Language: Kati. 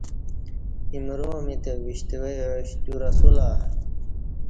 امرامی تہ وشتویاش تیو رسولہ